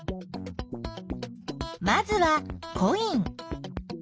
まずはコイン。